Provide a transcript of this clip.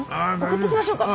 送っていきましょうか？